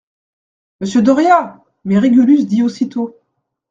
Monsieur Doria ! Mais Régulus dit aussitôt.